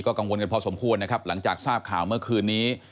ก็กังวลพอสมควรหลังจากทราบข่าวเมื่อคืนนี้